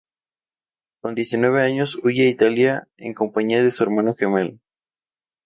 Con diecinueve años huye a Italia en compañía de su hermano gemelo.